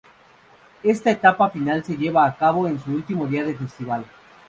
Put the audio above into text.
Esta etapa final se lleva a cabo el último día del festival.